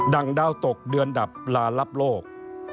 ่งดาวตกเดือนดับลารับโลก